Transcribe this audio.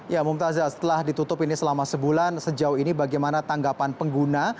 ya mumtazah setelah ditutup ini selama sebulan sejauh ini bagaimana tanggapan pengguna